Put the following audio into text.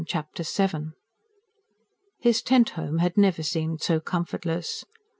Chapter VII His tent home had never seemed so comfortless.